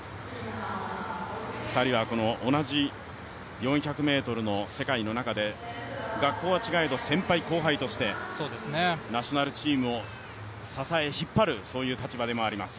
２人は同じ４００ｍの世界の中で学校は違えど先輩・後輩としてナショナルチームを支え、引っ張る立場でもあります。